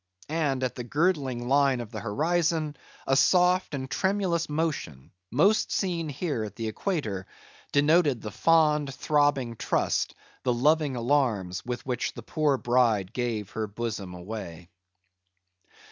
And at the girdling line of the horizon, a soft and tremulous motion—most seen here at the equator—denoted the fond, throbbing trust, the loving alarms, with which the poor bride gave her bosom away.